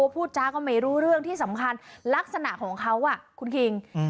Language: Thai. พูดจาก็ไม่รู้เรื่องที่สำคัญลักษณะของเขาคุณคิง